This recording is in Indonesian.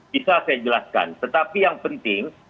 bisa saya jelaskan tetapi yang penting